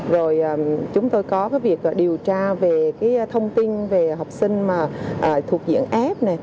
rồi chúng tôi có việc điều tra về thông tin về học sinh thuộc diện ép